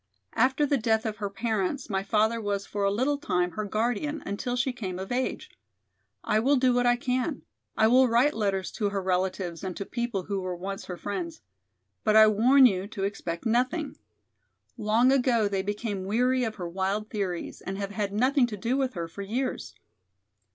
After the death of her parents my father was for a little time her guardian until she came of age. I will do what I can; I will write letters to her relatives and to people who were once her friends. But I warn you to expect nothing. Long ago they became weary of her wild theories and have had nothing to do with her for years."